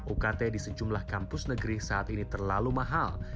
ukt di sejumlah kampus negeri saat ini terlalu mahal